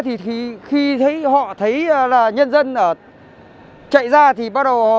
thì khi thấy họ thấy là nhân dân chạy ra thì bắt đầu